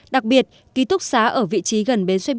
đặc biệt ký thúc xá ở vị trí gần bến xoay bít